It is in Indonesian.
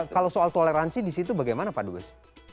kalau soal toleransi di situ bagaimana pak dubes